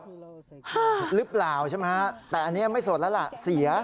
หรือเปล่าใช่ไหมฮะแต่อันนี้ไม่สดแล้วล่ะเสีย